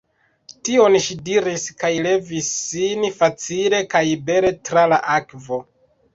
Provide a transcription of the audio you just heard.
Tion ŝi diris kaj levis sin facile kaj bele tra la akvo.